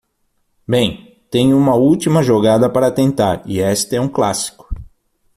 Bem, tenho uma última jogada para tentar, e esta é um clássico.